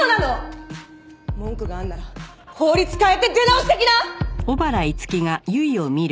文句があんなら法律変えて出直してきな！